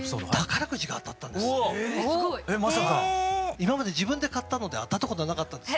今まで自分で買ったので当たったことなかったんですが。